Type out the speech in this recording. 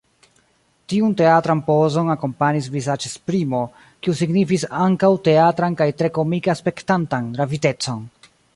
Tiun teatran pozon akompanis vizaĝesprimo, kiu signifis ankaŭ teatran kaj tre komike aspektantan ravitecon.